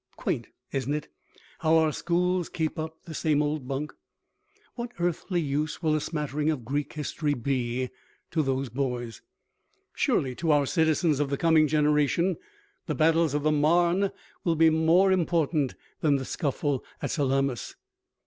Quaint, isn't it, how our schools keep up the same old bunk! What earthly use will a smattering of Greek history be to those boys? Surely to our citizens of the coming generation the battles of the Marne will be more important than the scuffle at Salamis.